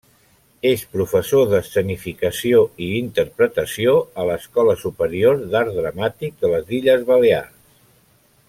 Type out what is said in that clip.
És professor d'escenificació i interpretació a l'Escola superior d'art dramàtic de les Illes Balears.